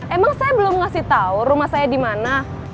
emang saya belum ngasih tau rumah saya dimana